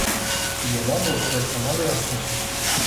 Il est membre correspondant de l'Institut.